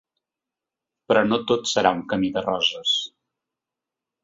Però no tot serà un camí de roses.